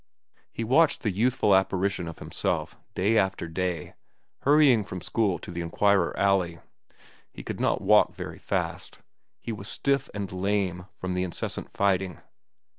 He watched the youthful apparition of himself, day after day, hurrying from school to the Enquirer alley. He could not walk very fast. He was stiff and lame from the incessant fighting.